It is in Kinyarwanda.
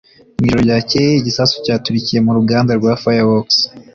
Mu ijoro ryakeye igisasu cyaturikiye mu ruganda rwa fireworks